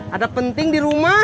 ada penting di rumah